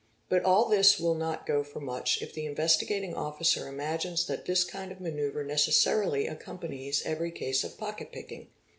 But all this will not go for much if the Investigating | Officer imagines that this kind of manoeuvre necessarily accompanies | every case of pocket picking.